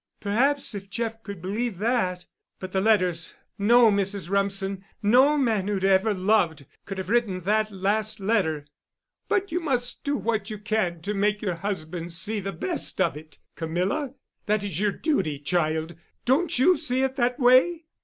Perhaps if Jeff could believe that—but the letters—no, Mrs. Rumsen—no man who had ever loved could have written that last letter." "But you must do what you can to make your husband see the best of it, Camilla. That is your duty, child—don't you see it that way?"